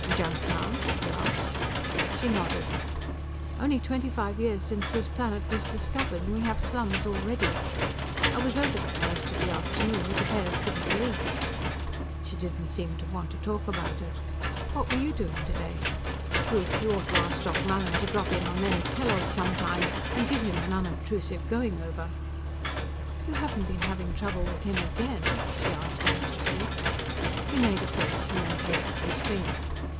"Junktown?" he asked. She nodded. "Only twenty five years since this planet was discovered, and we have slums already. I was over there most of the afternoon, with a pair of city police." She didn't seem to want to talk about it. "What were you doing today?" "Ruth, you ought to ask Doc Mallin to drop in on Leonard Kellogg sometime, and give him an unobstusive going over." "You haven't been having trouble with him again?" she asked anxiously. He made a face, and then tasted his drink.